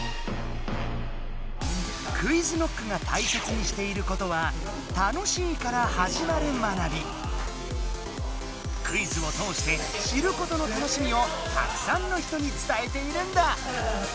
ＱｕｉｚＫｎｏｃｋがたいせつにしていることはクイズを通して知ることの楽しみをたくさんの人につたえているんだ。